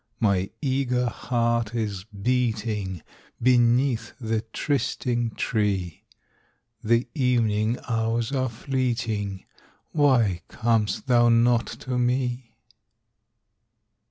My eager heart is beating Beneath the trysting tree, The evening hours are fleeting, Why com'st thou not to me?